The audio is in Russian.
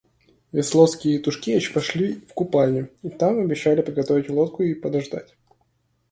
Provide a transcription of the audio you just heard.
Весловский и Тушкевич пошли в купальню и там обещали приготовить лодку и подождать.